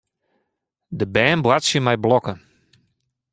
De bern boartsje mei blokken.